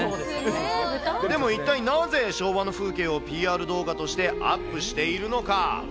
でも一体なぜ、昭和の風景をＰＲ動画としてアップしているのか。